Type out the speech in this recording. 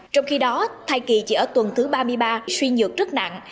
trong khi đó thai kỳ chỉ ở tuần thứ ba mươi ba suy nhược rất nặng